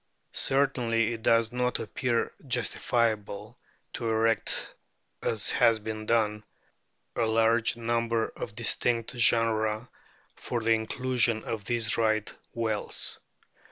Cer tainly it does not appear justifiable to erect, as has been done, a large number of distinct genera for the inclusion of these Right whales.